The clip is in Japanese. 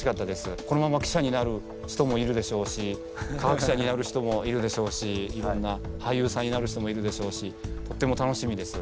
このまま記者になる人もいるでしょうし科学者になる人もいるでしょうし俳優さんになる人もいるでしょうしとっても楽しみです。